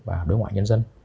và đối ngoại nhân dân